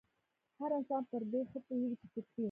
هر انسان پر دې ښه پوهېږي چې فکري